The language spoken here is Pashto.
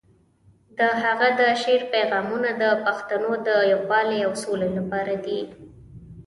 د هغه د شعر پیغامونه د پښتنو د یووالي او سولې لپاره دي.